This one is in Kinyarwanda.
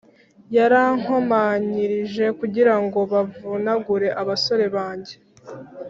yarankomanyirije kugira ngo bavunagure abasore banjye.